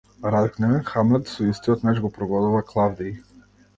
Разгневен, Хамлет со истиот меч го прободува Клавдиј.